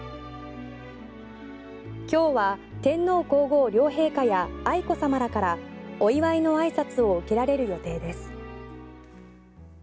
今日は天皇・皇后両陛下や愛子さまらからお祝いのあいさつを受けられる予定です。